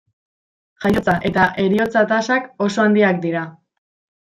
Jaiotza- eta heriotza-tasak oso handiak dira.